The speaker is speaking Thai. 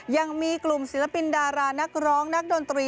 ยังมีกลุ่มศิลปินดารานักร้องนักดนตรี